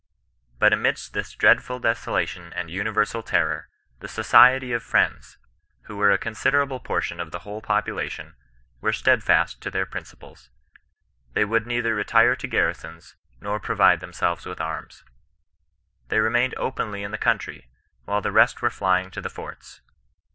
But amidst this dreadful desolation and universal terror, the Society of Frie^ids, who were a con siderable portion of the whole population, were steadfiist to their principles. They would neither retire to garri sons, nor provide themselves with arms. They remained openly in the country, while the rest were flying to the forts.